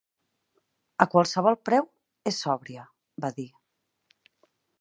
"A qualsevol preu, és sòbria", va dir.